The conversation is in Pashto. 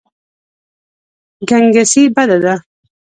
ګنګسي بده ده.